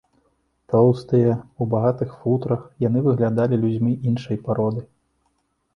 Тоўстыя, у багатых футрах, яны выглядалі людзьмі іншай пароды.